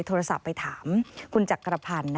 โทรศัพท์ไปถามคุณจักรพันธ์